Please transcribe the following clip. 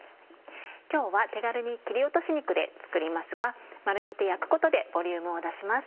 今日は手軽に切り落とし肉で作りますが丸めて焼くことでボリュームを出します。